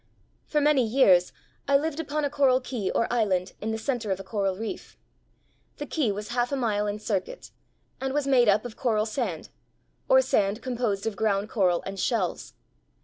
For many years I lived upon a coral key or island in the center of a coral reef. The key was half a mile in circuit, and was made up of coral sand, or sand composed of ground coral and shells.